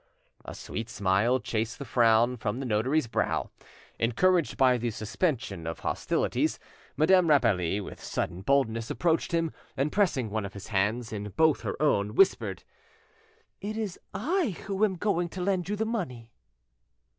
A sweet smile chased the frown from the notary's brow. Encouraged by the suspension of hostilities, Madame Rapally with sudden boldness approached him, and, pressing one of his hands in both her own, whispered— "It is I who am going to lend you the money."